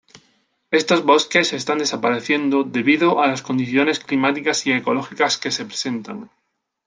Estos bosques están desapareciendo debido a las condiciones climáticas y ecológicas que se presentan.